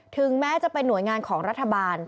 ถึงแม้จะเป็นหน่วยงานของรัฐบาล